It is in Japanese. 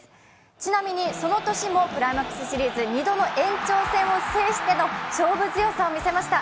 ちなみに、その年もクライマックスシリーズ２度の延長戦を制しての勝負強さを見せました。